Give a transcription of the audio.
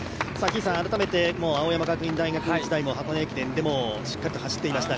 改めて青山学院大学時代の箱根駅伝でもしっかり走っていました。